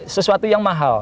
sesuatu yang mahal